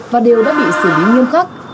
và đều đã bị xử lý nghiêm khắc